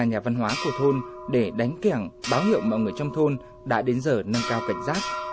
nhà văn hóa của thôn để đánh kẻng báo hiệu mọi người trong thôn đã đến giờ nâng cao cảnh giác